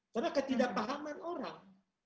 karena ketidakpahaman orang